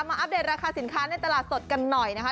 อัปเดตราคาสินค้าในตลาดสดกันหน่อยนะคะ